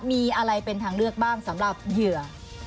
มีอะไรเป็นทางเลือกบ้างสำหรับเหยื่อ